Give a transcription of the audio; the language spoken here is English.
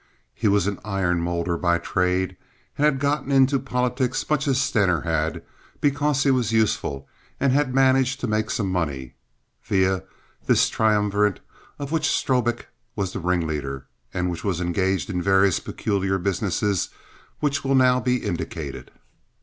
He was an iron molder by trade and had gotten into politics much as Stener had—because he was useful; and he had managed to make some money—via this triumvirate of which Strobik was the ringleader, and which was engaged in various peculiar businesses which will now be indicated.